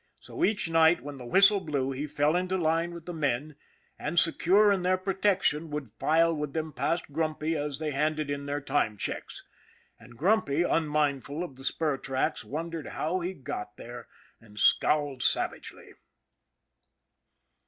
So each night when the whistle blew he fell into line with the men, and, secure in their protection, would file with them past Grumpy as they handed in their time checks. And Grumpy, unmindful of the spur tracks, wondered how he got there, and scowled savagely.